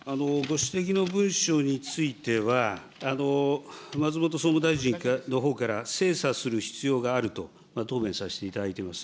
ご指摘の文章については、松本総務大臣のほうから精査する必要があると答弁させていただいております。